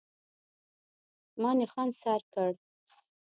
ما نښان سر کړ.